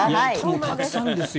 たくさんですよ。